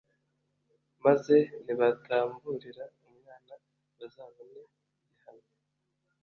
maze nibatamvurira umwana bazabone ighihano